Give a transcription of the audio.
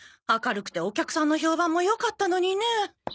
明るくてお客さんの評判も良かったのにねえ。